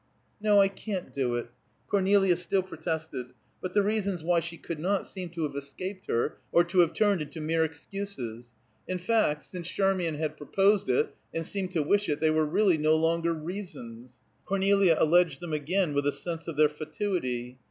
"No, I can't do it," Cornelia still protested; but the reasons why she could not, seemed to have escaped her, or to have turned into mere excuses. In fact, since Charmian had proposed it, and seemed to wish it, they were really no longer reasons. Cornelia alleged them again with a sense of their fatuity.